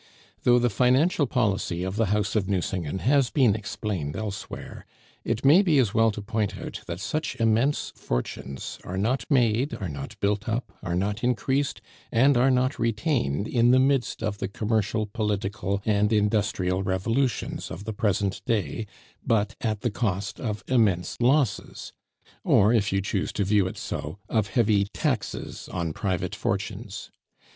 Though the financial policy of the house of Nucingen has been explained elsewhere, it may be as well to point out that such immense fortunes are not made, are not built up, are not increased, and are not retained in the midst of the commercial, political, and industrial revolutions of the present day but at the cost of immense losses, or, if you choose to view it so, of heavy taxes on private fortunes.